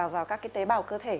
vào các cái tế bào cơ thể